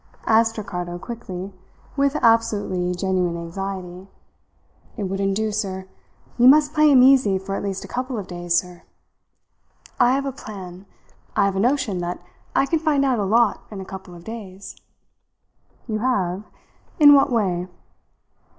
asked Ricardo quickly, with absolutely genuine anxiety. "It wouldn't do, sir. You must play him easy for at least a couple of days, sir. I have a plan. I have a notion that I can find out a lot in a couple of days." "You have? In what way?"